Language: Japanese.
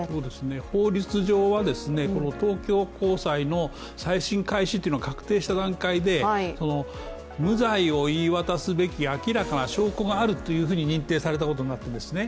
法律上は東京高裁の再審開始というのが確定した段階で無罪を言い渡すべき明らかな証拠があると認定されたことになってるんですね。